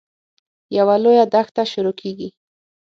یوه لویه دښته شروع کېږي.